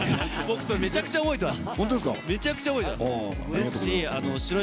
僕、それめちゃくちゃ覚えてます。